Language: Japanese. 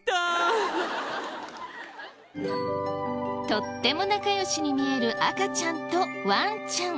とっても仲良しに見える赤ちゃんとワンちゃん。